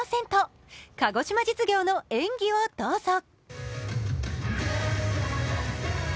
鹿児島実業の演技をどうぞ。